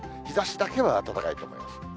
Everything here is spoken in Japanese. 日ざしだけは暖かいと思います。